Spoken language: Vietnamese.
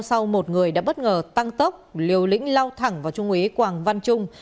sau một người đã bất ngờ tăng tốc liều lĩnh lao thẳng vào trung úy quảng văn trung